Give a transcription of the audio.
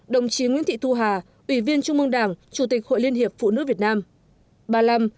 ba mươi bốn đồng chí nguyễn thị thu hà ủy viên trung mương đảng chủ tịch hội liên hiệp phụ nữ việt nam